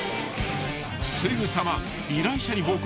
［すぐさま依頼者に報告］